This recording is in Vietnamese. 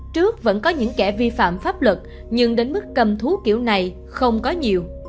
trước vẫn có những kẻ vi phạm pháp luật nhưng đến mức cầm thú kiểu này không có nhiều